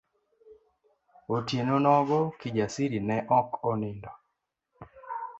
Otieno nogo Kijasiri ne oko nindo.